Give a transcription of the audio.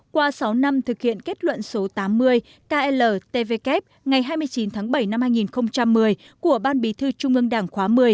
qua sáu năm thực hiện kết luận số tám mươi kltvk ngày hai mươi chín tháng bảy năm hai nghìn một mươi của ban bí thư trung ương đảng khóa một mươi